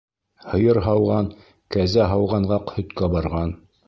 Һыйыр һауған кәзә һауғанға һөткә барған.